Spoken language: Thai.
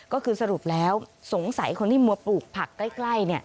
ก็คือสรุปแล้วสงสัยคนที่มัวปลูกผักใกล้